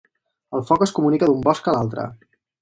El foc es comunica d'un bosc a l'altre.